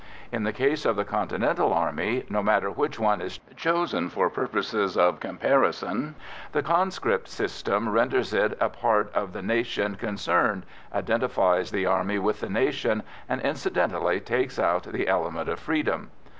In the case of the Continental army no matter which one is chosen for purposes of comparison, the conscript system renders it a part of the nation concerned, identifies the army with the nation, and incidentally takes out the element of freedom.